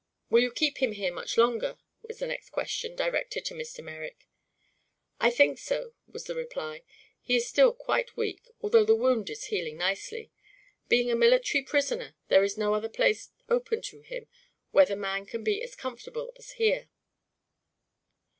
"Will you keep him here much longer?" was the next question, directed to Mr. Merrick. "I think so," was the reply. "He is still quite weak, although the wound is healing nicely. Being a military prisoner, there is no other place open to him where the man can be as comfortable as here."